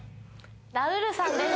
ラウールさんです